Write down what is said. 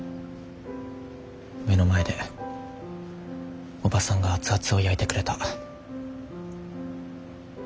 目の前でおばさんが熱々を焼いてくれた。